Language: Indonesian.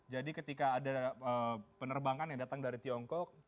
jadi ketika ada penerbangan yang datang dari tiongkok